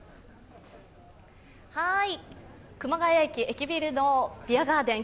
熊谷駅、駅ビルのビアガーデン